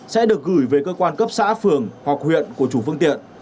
sẽ được gửi về cơ quan cấp xã phường hoặc huyện của chủ phương tiện